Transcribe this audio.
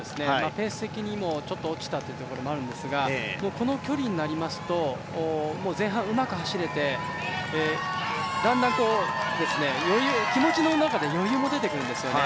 ペース的にも、ちょっと落ちたというところもあるんですがこの距離になりますと前半、うまく走れてだんだん、気持ちの中で余裕も出てくるんですよね。